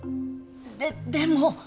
ででも。